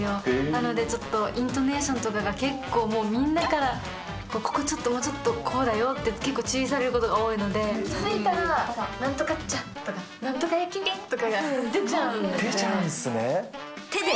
なので、ちょっとイントネーションとかが結構もう、みんなからここもうちょっとこうだよって、結構注意されることが気付いたら、なんとかっちゃ、なんとかやけんとかが出ちゃうので。